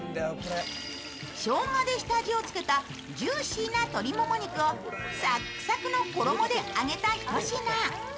しょうがで下味をつけたジューシーな鶏もも肉をサクサクの衣手揚げたひと品。